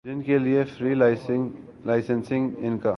جن کے لیے فری لانسنگ ان کا